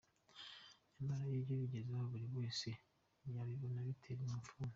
Nyamara iyo bigeze aho buri wese yabibona, bitera ipfunwe.